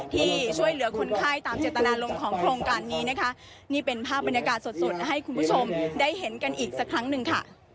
ที่ช่วยเหลือคนไข้ตามเจตนารมณ์ของโครงการนี้นะคะนี่เป็นภาพบรรยากาศสดสดให้คุณผู้ชมได้เห็นกันอีกสักครั้งหนึ่งค่ะ